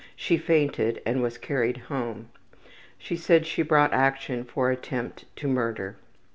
She fainted and was carried home. She said she brought action for attempt to murder.